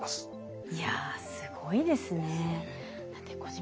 いやすごいですね。ですね。